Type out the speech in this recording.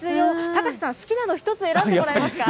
高瀬さん、好きなの１つ選んでもらえますか？